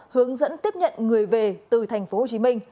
hướng dẫn tiếp nhận người về từ tp hcm